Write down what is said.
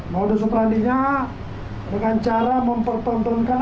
modus operandinya dengan cara mempertempelkan